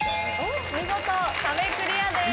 見事壁クリアです。